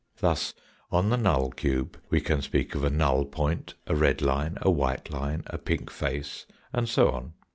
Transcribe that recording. Thus, on the null cube we can speak of a null point, a red line, a white line, a pink face, and so on.